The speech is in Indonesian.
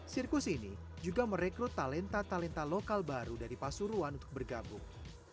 sirkus ini juga merekrut talenta talenta lokal baru dari pasuruan untuk bergabung